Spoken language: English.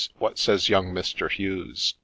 — What says young Mr. Hughes ?